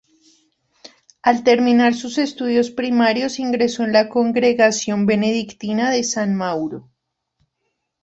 Al terminar sus estudios primarios ingresó en la congregación benedictina de San Mauro.